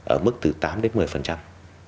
ở mức từ tám đến một mươi